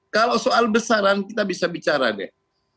kalau soal besaran kita bisa bicara deh